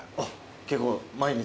結構毎日？